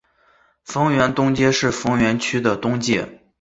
逢源东街是逢源区的东界。